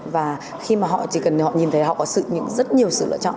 và khi mà họ chỉ cần họ nhìn thấy họ có rất nhiều sự lựa chọn